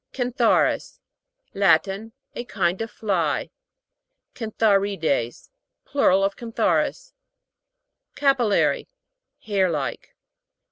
CAN'THARIS. Latin, A kind of fly. CANTHA'RIDES. Plural of cantharis. CAPIL'LARY. Hair like.